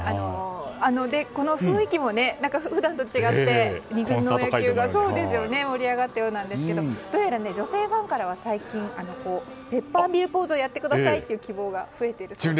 この雰囲気もね、普段と違って野球が盛り上がったようなんですがどうやら女性ファンからは最近、ペッパーミルポーズをやってくださいというお願いが。